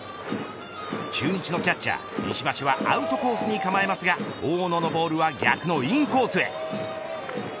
中日のキャッチャー石橋はアウトコースに構えますが大野のボールは逆のインコースへ。